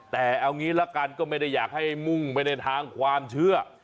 แต่เอางี้ละกันก็ไม่ได้อยากให้มุ่งไปในทางความเชื่อ